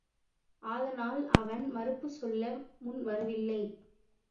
அதனால் அவன் மறுப்புச் சொல்ல முன் வரவில்லை.